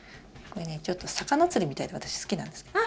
これねちょっと魚釣りみたいで私好きなんです。